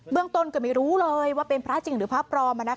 เมืองต้นก็ไม่รู้เลยว่าเป็นพระจริงหรือพระปลอม